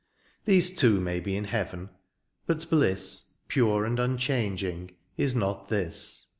^* These too may be in heaven ; but bliss, ^^ Pure and unchanging, is not this.